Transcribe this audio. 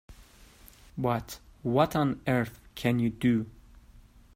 But what on earth can you do?